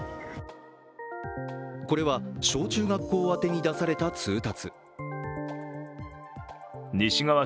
これは小中学校宛てに出された通達。